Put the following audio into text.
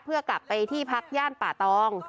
เพื่อกลับไปที่พักย่านป่าตอง